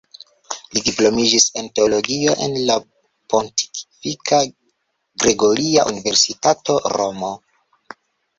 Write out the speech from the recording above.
Li diplomiĝis en teologio en la Pontifika Gregoria Universitato, Romo.